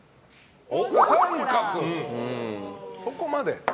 そこまで。